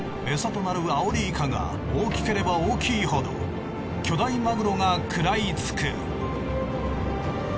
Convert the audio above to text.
エサとなるアオリイカが大きければ大きいほど巨大マグロが喰らいつく。